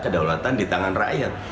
kedaulatan di tangan rakyat